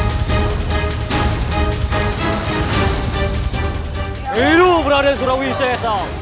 ridu raden surawisesa